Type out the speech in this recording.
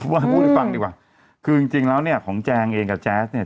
ว่าพูดให้ฟังดีกว่าคือจริงจริงแล้วเนี่ยของแจงเองกับแจ๊สเนี่ย